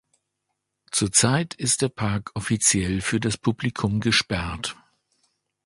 Zurzeit ist der Park offiziell für das Publikum gesperrt.